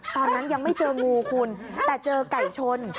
ตอนนั้นยังไม่เจองูคุณแต่เจอไก่ชน